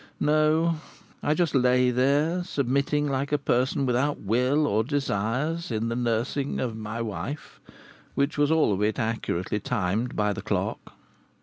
No! I just lay there, submitting like a person without will or desires to the nursing of my wife, which was all of it accurately timed by the clock.